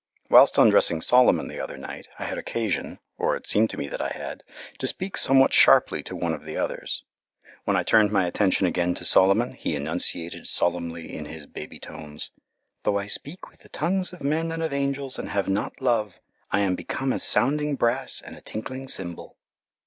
Whilst undressing Solomon the other night I had occasion, or it seemed to me that I had, to speak somewhat sharply to one of the others. When I turned my attention again to Solomon, he enunciated solemnly in his baby tones, "Though I speak with the tongues of men and of angels and have not love, I am become as sounding brass and a tinkling cymbal."